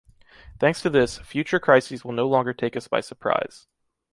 Thanks to this, future crises will no longer take us by surprise.